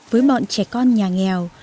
với bọn trẻ con nhà nghèo